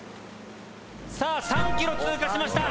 さあ３ｋｍ通過しました。